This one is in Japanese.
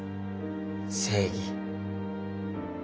正義。